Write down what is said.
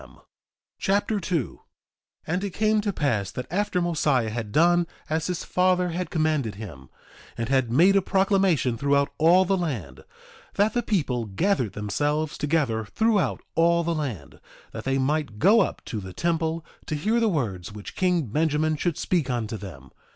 Mosiah Chapter 2 2:1 And it came to pass that after Mosiah had done as his father had commanded him, and had made a proclamation throughout all the land, that the people gathered themselves together throughout all the land, that they might go up to the temple to hear the words which king Benjamin should speak unto them.